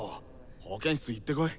保健室行ってこい。